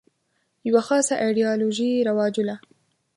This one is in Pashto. یوه خاصه ایدیالوژي رواجوله.